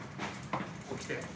起きて。